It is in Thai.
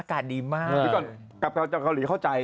กลับจากเกาหลีเข้าใจ